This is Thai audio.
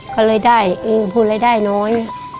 ก็เลยได้ผลละได้น้อย